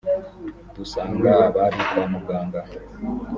dusanga abari kwa muganga